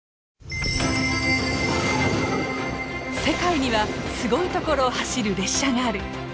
世界にはすごい所を走る列車がある。